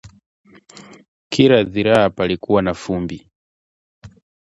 kila dhiraa palikuwa na fumbi